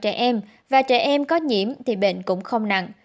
trẻ em và trẻ em có nhiễm thì bệnh cũng không nặng